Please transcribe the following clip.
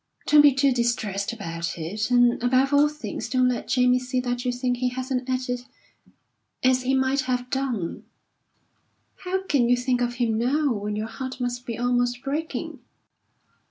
Don't be too distressed about it, and, above all things, don't let Jamie see that you think he hasn't acted as he might have done." "How can you think of him now, when your heart must be almost breaking?"